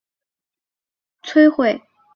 布拉佐里亚县的弗里波特的两间小屋摧毁。